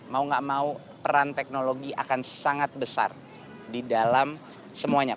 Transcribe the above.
mau gak mau peran teknologi akan sangat besar di dalam semuanya